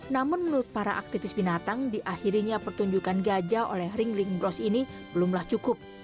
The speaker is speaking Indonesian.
namun menurut para aktivis binatang di akhirnya pertunjukan gajah oleh ringling bros ini belumlah cukup